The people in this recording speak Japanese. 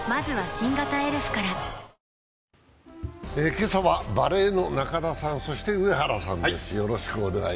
今朝はバレーの中田さん、そして上原さんです。